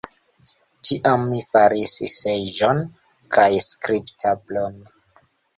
Tiam mi faris seĝon kaj skribtablon.